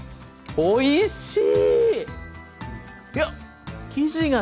おいしい。